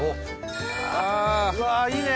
あ！わいいね！